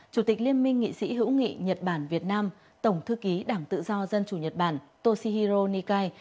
chủ tịch liên minh nghị sĩ hữu nghị nhật bản việt nam tổng thư ký đảng tự do dân chủ nhật bản toshihiro nikai